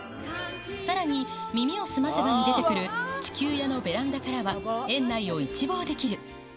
さらに、耳をすませばに出てくる、地球屋のベランダからは、園内を一望できる。